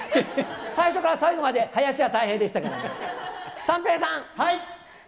最初から最後まで林家たい平でしたからね。